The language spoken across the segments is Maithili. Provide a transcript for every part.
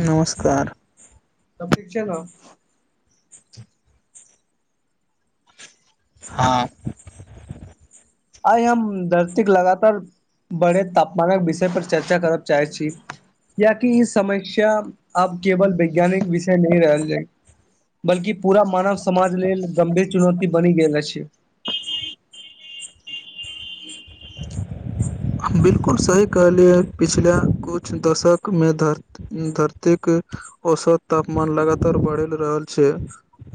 नमस्कार सब ठीक छै न [inaudible] हां आइ हम धरती के लगातार बड़े तापमानक विषय पर चर्चा करब चाहैत छी कियाकि ई समस्या आब केवल वैज्ञानिक विषय नहि रहल ऐ बल्कि पूरा मानव समाज लेल गंभीर चुनौती बनि गेल अछि बिलकुल सही कहलियै पिछला किछु दशकमे धर धरतीक औसत तापमान लगातार बढ़ि रहल छै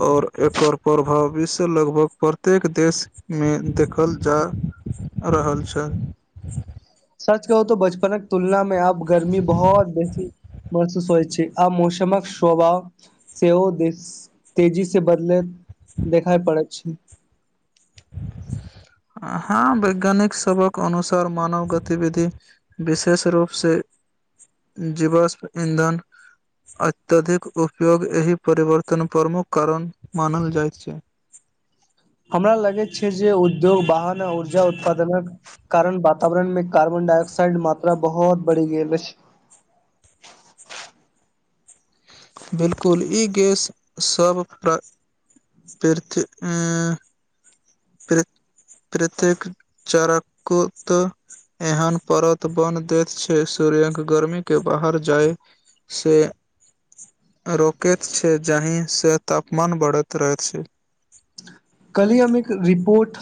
और एकर प्रभावीस ल लगभग प्रत्येक देशमे देखल जा रहल छल [inaudible] सच कहुं त बचपनक तुलना में आब गर्मी बहुत बेसी महसूस होइ छै आ मौसमक स्वभाव सेहो दे तेजी से बदलैत देखाइ पड़त छै [inaudible] हँ वैज्ञानिकसभक अनुसार मानव गतिविधि विशेष रूपसँ जिवाष्प इंधन अत्यधिक उपयोग एहि परिवर्तन प्रमुख कारण मानल जाइत छै [inaudible] हमरा लगैत छै जे उद्योग वाहन आ ऊर्जा उत्पादनक कारण वातावरण में कार्बन डाइऑक्साइड मात्रा बहुत बढ़ि गेल अछि [inaudible] बिलकुल ई गैस सब प्र पृथ अं प्र प्रत्येक चारा को तऽ एहन परत बन दैत छै सूर्यंक गर्मीके बाहर जाय से रोकैत छै जाहिसँ तापमान बढ़ैत रहैत छै ओठ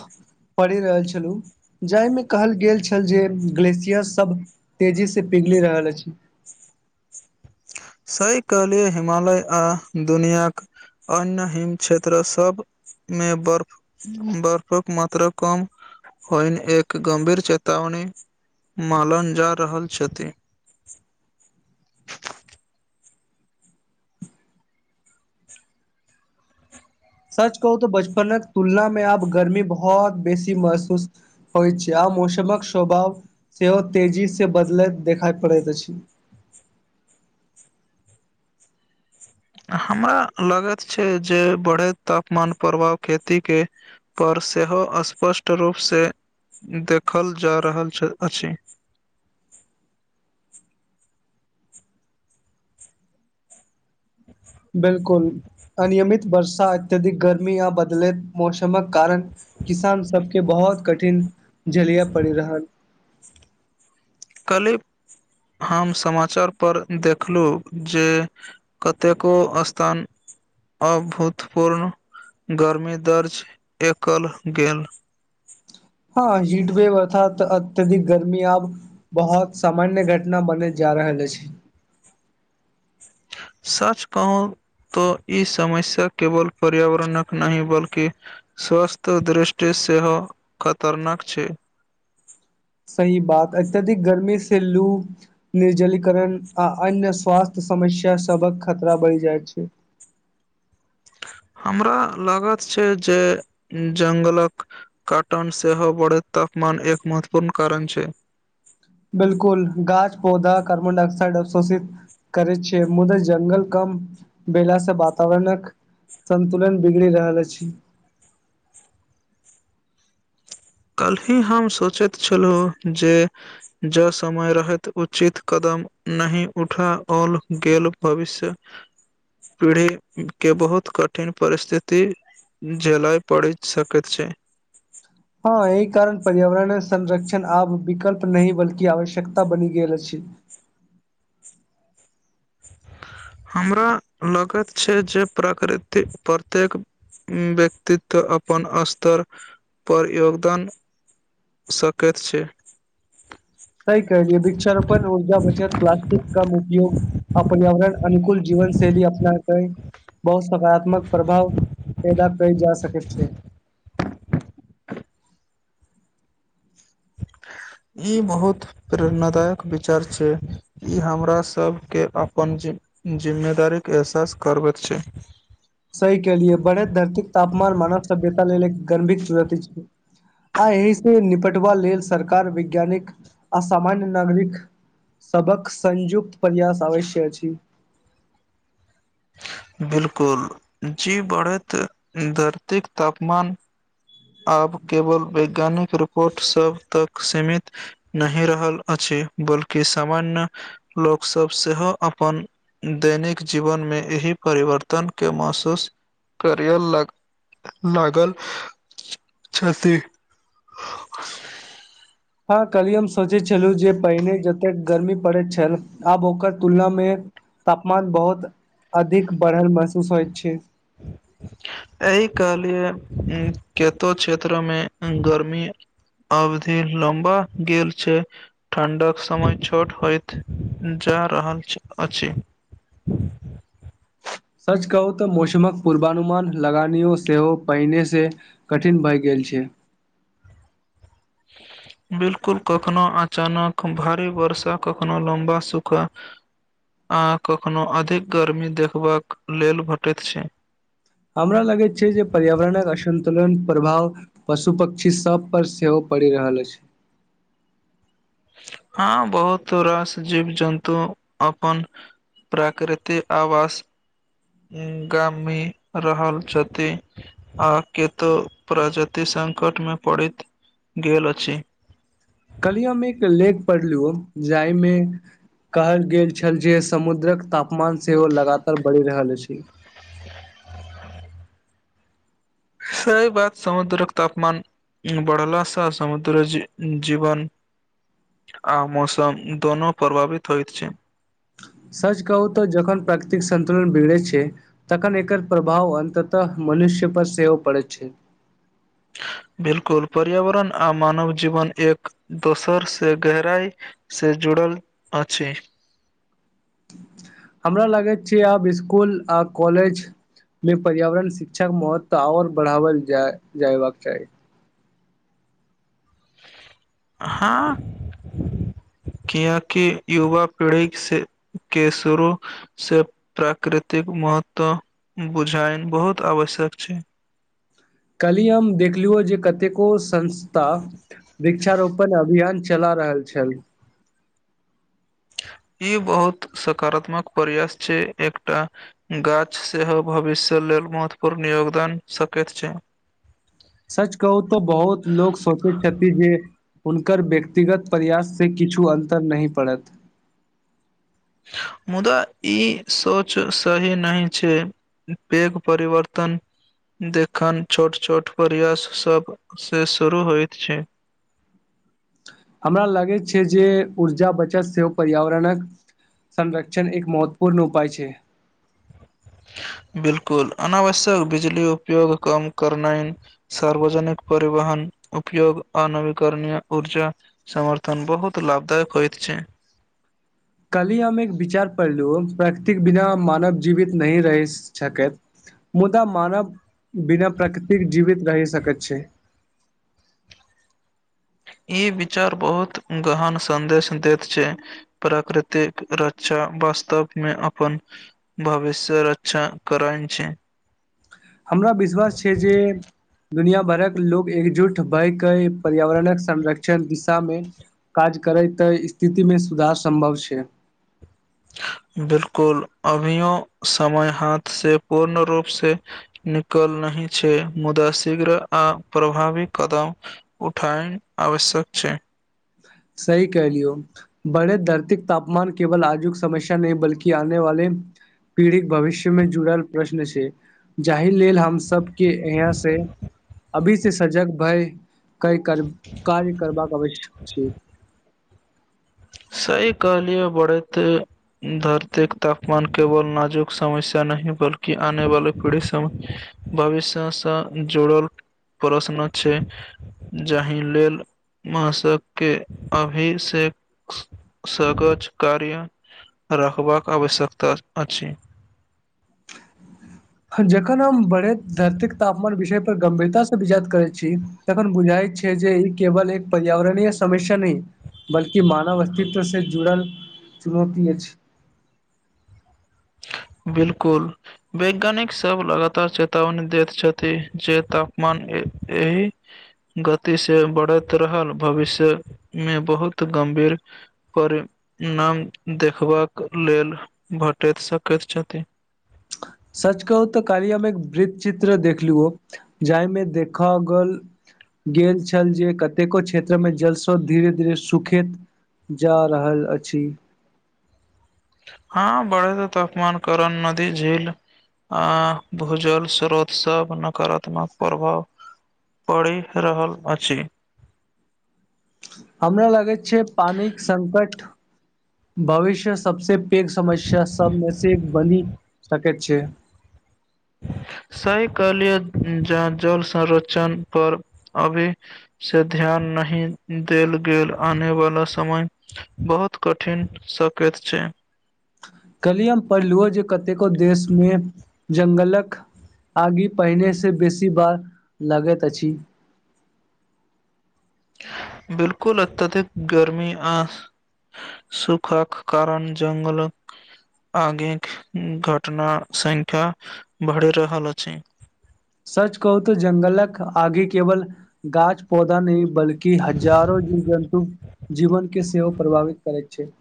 पड़ि रहल छलहुं जाहिमे कहल गेल छल जे ग्लेेशियर सब तेजी से पिघ पिघली रहल अछि सहि कहलियै हिमालय आ दुनियाक अन हीम क्षेत्र सब मे बर्फ बर्फक मात्रा कम होइन एक गं्भीर चेतावनी मालन जा रहल छथि सच कहू तऽ बचपनक तुलना मे आब गर्मी बहुत बेसी महसूस होइ छै आब मौसमक स्वभाव सेहो तेजीसँ बदलैत देखाइ पड़ैत अछि [unintelligible] हमरा लगैत छै जे बढ़े तापमान प्रभाव खेती के पर सेहो स्पष्ट रूपसँ देखल जा रहल छ अछि ह बिलकुल अनियमित वर्षा अत्यधिक गर्मी या बदलैत मौसमक कारण किसान सबके बहुत कठिन झलिया पड़ी रहल कली हम समाचारपर देखलहुँ जे कतेको स्थान अभूतपूर्ण गर्मी दर्ज एकल गेल हँ हीट वेव अर्थात अत्यधिक गर्मी अब बहुत सामान्य घटना बने जा आ रहल अछि [unintelligible] सच कहँ त ई समस्या केवल पर्यावरणक नहि बल्कि स्वास्थ्य दृष्टिसँ सेहो खतरनाक छै सही बात अत्यधिक गर्मी से लू निर्जलीकरण आ अन्य स्वास्थ्य समस्या सबक खतरा बढ़ जाइत छै [unintelligible] हमरा लागत छै जे जंगलक काटन सेहो बढ़ैत तापमान एक महत्वपूर्ण कारण छै बिलकुल गाछ पौधा कार्बन डाइऑक्साइड अवशोषित करैत छियै मुद्र जंगल क भेलासँ वातावरणक संन्तुलन बिगड़ि रहल अछि [unintelligible] कल्हि हम सोचैत छलहुँ जे ज समय रहैत उचित कदम नहि उठाओल गेल भविष्य पीढ़ी के बहुत कठिन परिस्थिति झेलाइ पड़ सकेत छै हँ एहि कारण पर्यावरणय संरक्षण आब विकल्प नहि बल्कि आवश्यकता बनि गेल अछि [inaudible] हमरा लगैत छै जे प्रकृति प्रत्येक व्यक्तित्व अपन स्तर पर योगदान सकैत छै सही कहलियै वृक्षारोपण ऊर्जा बचत प्लास्टिक कम उपयोग आ पर्यावरण अनुकूल जीवन शैली अपनाके बहुत सकारात्मक प्रभाव पेदा कइ जा सकैत छै [unintelligible] [inaudible] ई बहुत प्रेरणादायक विचार छै ई हमरा सब के अपन जे जिम्मेदारीक एहसास करबेत छै सही कहलियै बढ़ैत धरतीक तापमान मानव सभ्यता लेल एक गंभीर चुनौती छै आ एहि से निपटबा लेल सरकार वैज्ञानिक आ सामान्य नागरिक सभक संयुक्त प्रयास अवश्य अछि [inaudible] बिलकुल जी बढ़ैत धरतीक तापमान आब केवल वैज्ञानिक रिपोर्टसभ तक सीमित नहि रहल अछि बल्कि सामान्य लोकसभ सेहो अपन दैनिक जीवनमे एक ही परिवर्तन के महसूस करिय लागल छथि हँ कली हम सोचे छलु जे पहिने जते गर्मी पड़ैत छल आब ओकर तुलना मे तापमान बहुत अधिक बढ़ल महसूस होइत छै [inaudible] एहि कहलिए केतो क्षेत्रमे गर्मी अवधि लम्बा गेल छै ठण्डाक समय छोट होइत जा जा रहल अछि सच कहू तऽ मौसमक पूर्वानुमान लगानियो सेहो पहिनेसँ कठिन भए गेल छै [inaudible] बिलकुल कखनो अचानक भारी वर्षा कखनो लम्बा सूखा अहाँ कखनोहु अधिक गर्मी देखबाक लेल भेटैत छी हमरा लगैत छै जे पर्यावरणक असन्तुलन प्रभाव पशु पक्षी सभ पर सेहो पड़ि रहल अछि हँ बहुत रास जीव जन्तु अपन प्राकृति आवास गामी रहल छथि आ केतो प्रजति संकमे पड़ैत गेल अछि कलिए हम एक लेख पढ़लु जाहिमे कहल गेल छल जे समुद्रक तापमान सेहो लगातार बढ़ि रहल अछि सहे बात समुद्रक तापमान बढ़ला से समुद्र ज जीवन आ मौसम दोनो प्रभावित होइत छै सच कहू तऽ जखन प्राकृतिक संन्तुलन बिगड़े छै तखन एकर प्रभाव अन्ततः मनुष्य पर सेहो पड़ैए छै [inaudible] बिल्कुल पर्यावरण आ मानव जीवन एक दोसर से गहराई से जुड़ जुड़ल अछि हमरा लागैत छै आब स्कूल आ कॉलेज मे पर्यावरण शिक्षाके महत्व आओर बढ़ाओल जा जयबाक चाही हँ किया कि युवा पीढ़ी से के शुरू से प्राकृतिक महत्व बुझाइन बहुत आवश्यक छै कालिह हम देखलुयै जे कतेको संस्था वृक्षारोपण अभियान चला रहल छल [inaudible] ई बहुत सकारात्मक प्रयास छै एकटा गाछ सेहो भविष्य ले महत्वपूर्ण योगदान सकैत छै सच कहू त बहुत लोग सोचै छथि जे हुनकर व्यक्तिगत प्रयाससे किछु अन्तर नहि पड़त मुदा ई सोच सही नहि छै पैघ परिवर्तन देखन छोट छोट प्रयास सभसे शुरू होइत छै [inaudible] हमरा लागैत छै जे ऊर्जा बचत सेहो पर्यावरणक संरक्षण एक महत्वपूर्ण उपाय छै [inaudible] बिल्कुल अनावश्यक बिजली उपयोग कम करनाइ सार्वजनिक परिवहन उयोग आ नवीकरणय ऊर्जा समर्थन बहुत लाभदायक होइत छै [unintelligible] कालिह हम एक विचार पढ़लहु प्रकतिक बिना मानव जीवित नहिही रहि सकैत मुदा मानव बिना प्रकृतिक जीवित रहि सकैत छै [unintelligible] ई विचार बहुत गहन संदेश दैत छै प्राकृतिक रक्षा वास्तवमे अपन भविष्यक रक्षा करैत छै हमरा विश्वास छै जे दुनिया भरक लोक एकजुट भय पर्यावरणक संरक्षण शिक्षण दिशामे काज करैत त स्थितिमे सुधार सम्भव छै [unintelligible] बिलकुल अभियो समय हाथ से पूर्ण रूपसँ निकलने छै मुदा शीघ्र आ प्रभावी कदम उठाय आवश्यक छै त सही कह लियौ बड़े धरती तापमान केवल आजुक समस्या नहि बल्कि आने वाले पीढ़ित भविष्य मे जुड़ल प्रश्न से जाहि एहि लेल हम सब के यहाँ से अभी से सजग भय के कर कार्य करबाक अवश सही कहलिय बड़े ते धरती के तापमान केवल नाजुक समस्या नहि बल्कि आने वाली पीढ़ि भविष्यसँ जुड़ल प्रश्न छै जाहि लेल मशक के अभिषेक सगज कार्य रखबाक आवश्यकता आछि [unintelligible] जखन हम बढ़ैत धरतीक तापमान विषय पर गंभीरता ससँ विजार करैत छी तखन बुझाइ छै जे ई केवल एक पर्यावरणीय समस्या नहि बल्कि मानव अस्तित्व से जुड़ल चुनौती अछि बिलकुल वैज्ञानिक सब लगातार चेतावनी दैत छथि जे तापमान ए एहि गति से बढ़ैत रहल भविष्यमे बहुत गम्भीर पर नाम देखबाक लेल भेटैत सकैत छथि सच कहू तऽ का लिह हम एक वृत चित्र देखलु जाहिमे देख गेल गेल छल जे कतेको क्षेत्रमे जलस्रोत धीरे धीरे सुखैत जा रहल अछि [unintelligible] हँ बढ़े त तापमान करण नदी झील आ भूजल स्रोत सब नकारात्मक प्रभाव पड़ि रहल अछि हमरा लगैत छै पानिक संकट भविष्य सबसे पैघ समस्या सबमे से एक बनी सकैत छियै [unintelligible] सही कहलिये ज जल संरोचण पर अभी से ध्यान नहि देल गेल आने वाला समय बहुत कठिन सकैत छै [inaudible] कलिय हम पढ़लु जे कतेको देशमे जंगलक आगे पहिनेसँ बेसी बार लगैत अछि बिलकुल अत्यधिक गर्मी आ सुखाक कारण जंगलक आगे घटना संख्या बढ़ि रहल अछि सच कहू तऽ जंगलक आगे केवल गाछ पौधा नहि बल्कि कि हजारो जीव जन्तु जीवन के सेहो प्रभावित करैत छै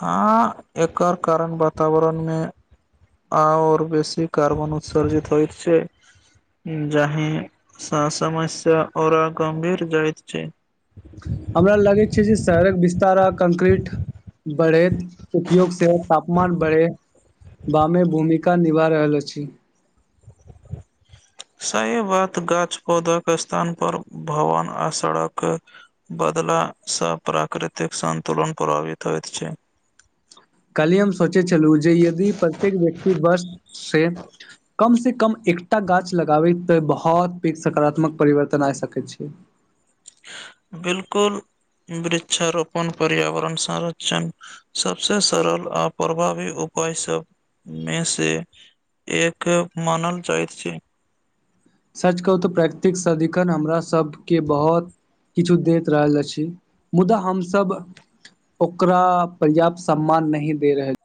हँ एकर कारण वातावरणमे आओर बेसी कार्बन उत्सर्जित होइत छै जाहिसँ समस्या आउरा गम्भीर जाइत छै हमरा लगै छै जे शहरक विस्तारा कंक्रीट बढ़ैत उपयोग से तापमान बढ़े बामे भूमिका निभा रहल अछि सही बात गाछ पौधाक स्थान पर भवन आ सड़क बद बदला स प्राकृतिक संतुलन प्रभावित होइत छै कल्हि हम सोचैत छलहुँ जे यदि प्रत्येक व्यक्ति बस से कमसँ कम एकटा गाछ लगाबै त बहुत पैघ सकारात्मक परिवर्तन आबि सकैत छै बिलकुल वृक्षारोपण पर्यावरण संरक्षण सबसँ सरल आ प्रभावी हो पहिसब मे से एक मानल जाइत छै सच कहू तऽ प्राकृतिक सदिखन हमरा सबके बहुत किछु दैत रहल अछि मुदा हमसभ ओकरा पर्याप्त सम्मान नहि दे रहल